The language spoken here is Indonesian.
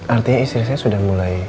artinya istri saya sudah mulai